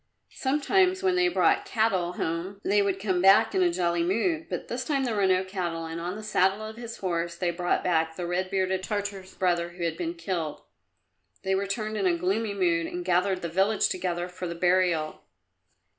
Sometimes when they brought cattle home they would come back in a jolly mood, but this time there were no cattle, and on the saddle of his horse they brought back the red bearded Tartar's brother who had been killed. They returned in a gloomy mood and gathered the village together for the burial.